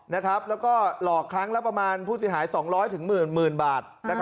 แล้วก็หลอกครั้งละประมาณผู้เสียหาย๒๐๐๑๐๐๐บาท